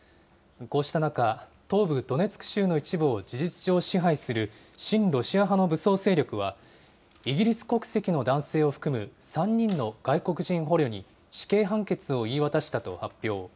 こうした中、東部ドネツク州の一部を事実上支配する親ロシア派の武装勢力は、イギリス国籍の男性を含む３人の外国人捕虜に死刑判決を言い渡したと発表。